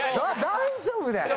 大丈夫だよ！